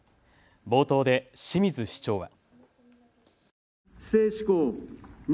冒頭で清水市長は。